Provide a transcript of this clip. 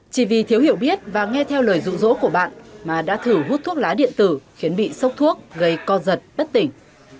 chỉ vì thiếu hiểu biết và nghe theo lời rụ rỗ của bạn mà đã thử hút thuốc lá điện tử khiến bị sốc thuốc gây co giật bất tỉnh